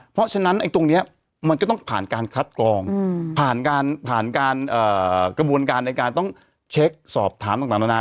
เพราะฉะนั้นตรงนี้มันก็ต้องผ่านการคัดกรองผ่านการผ่านการกระบวนการในการต้องเช็คสอบถามต่างนานา